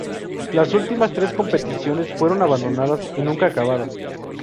Las últimas tres competiciones fueron abandonadas y nunca acabadas.